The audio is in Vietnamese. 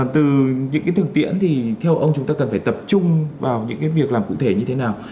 từ những cái thực tiễn thì theo ông chúng ta cần phải tập trung vào những việc làm cụ thể như thế nào